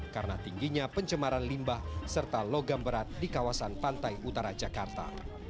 karena tingginya pencemaran limbah serta logam berat di kawasan pantai utara jakarta